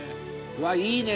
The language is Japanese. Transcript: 「うわいいね！